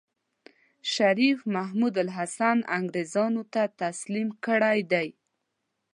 شريف محمودالحسن انګرېزانو ته تسليم کړی دی.